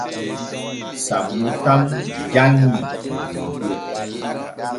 Sammo tan janŋi der gure.